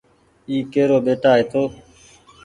اي ڪيرو ٻيٽآ هيتو ۔